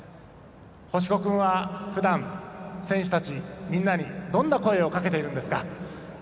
星子君はふだん、選手たちみんなにどんな声をかけているんですか？